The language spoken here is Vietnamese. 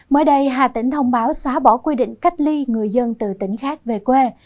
mới đây hà tĩnh thông báo xóa bỏ quy định cách ly người dân từ tỉnh khác về quê